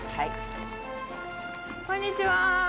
こんにちは。